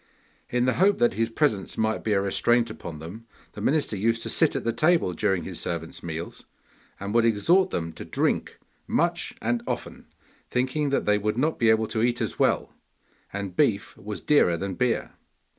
In the hope that his presence might be a restraint upon them, the minister used to sit at the table during his servants' meals, and would exhort them to drink much and often, thinking that they would not be able to eat as well, and beef was dearer than beer.